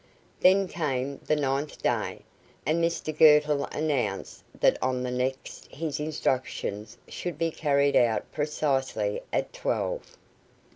Then came the ninth day, and Mr Girtle announced that on the next his instructions should be carried out precisely at twelve.